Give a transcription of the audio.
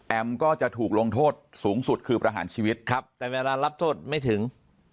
ก็จะถูกลงโทษสูงสุดคือประหารชีวิตครับแต่เวลารับโทษไม่ถึง